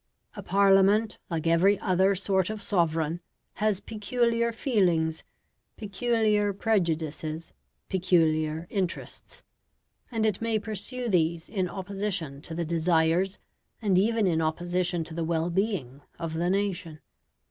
A Parliament, like every other sort of sovereign, has peculiar feelings, peculiar prejudices, peculiar interests; and it may pursue these in opposition to the desires, and even in opposition to the well being of the nation.